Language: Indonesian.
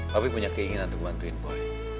tapi punya keinginan untuk bantuin boy